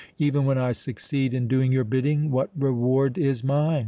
Even when I succeed in doing your bidding, what reward is mine?